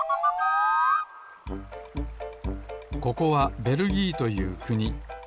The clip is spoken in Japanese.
ここはベルギーというくに。